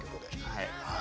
はい。